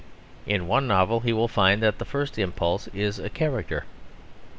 In one novel he will find that the first impulse is a character.